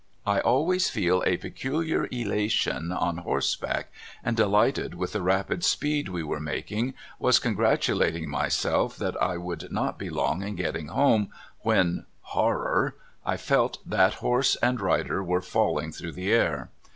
I always feel a peculiar elation on horseback, and, delighted with the rapid speed w^e were making, was congratulating myself that I would not be long in getting home, when — horror! I felt that horse and rider were falling through the air.